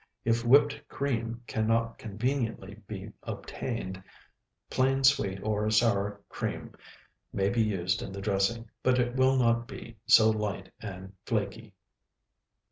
If whipped cream can not conveniently be obtained, plain sweet or sour cream may be used in the dressing, but it will not be so light and flaky.